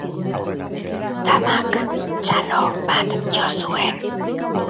Damak txalo bat jo zuen.